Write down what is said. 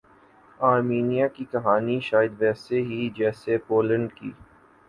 Armenia کی کہانی شاید ویسےہی ہے جیسے پولینڈ کی